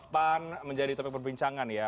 pan menjadi topik perbincangan ya